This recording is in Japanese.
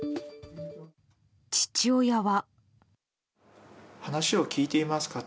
父親は。